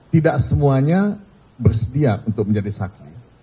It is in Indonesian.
tidak semuanya bersedia untuk menjadi saksi